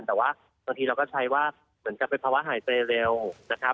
แต่ว่าบางทีเราก็ใช้ว่าเหมือนกับเป็นภาวะหายใจเร็วนะครับ